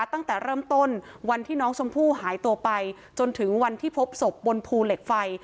ตั้งแต่เริ่มต้นวันที่น้องชมพู่หายตัวไปจนถึงวันที่พบศพบนภูเหล็กไฟ